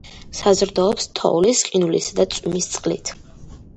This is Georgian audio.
საზრდოობს თოვლის, ყინულისა და წვიმის წყლით.